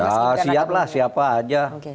ya siap lah siapa aja